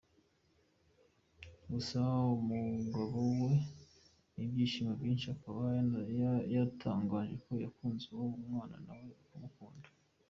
Gusa umugabo we ni ibyishimo byinshi akaba yatangaje ko yakunze uwo mwana nawe akamukunda.